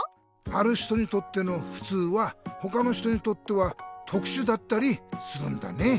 ある人にとっての「ふつう」はほかの人にとっては「とくしゅ」だったりするんだね。